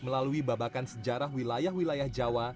melalui babakan sejarah wilayah wilayah jawa